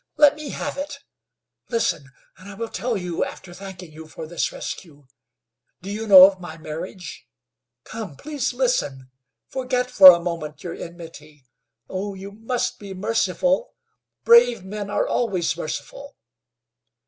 Let me have it. Listen, and I will tell you, after thanking you for this rescue. Do you know of my marriage? Come, please listen! Forget for a moment your enmity. Oh! you must be merciful! Brave men are always merciful!"